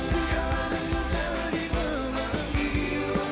tidak ada yang tak lagi memanggil